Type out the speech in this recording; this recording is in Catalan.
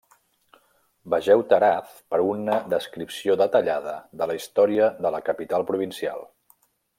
Vegeu Taraz per a una descripció detallada de la història de la capital provincial.